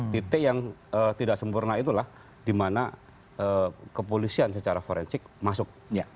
titik yang tidak sempurna itulah di mana kepolisian secara forensik masuk